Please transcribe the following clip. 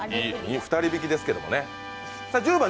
２人引きですけどもね。